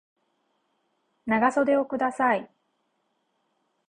長袖をください